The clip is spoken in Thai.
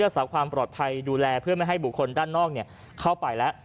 รักษาความปลอดภัยดูแลเพื่อไม่ให้บุคคลด้านนอกเข้าไปแล้ว